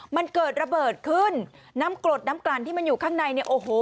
มันเกิดระเบิดขึ้นน้ำกรดน้ำกลั่นที่มันอยู่ข้างในเนี่ยโอ้โห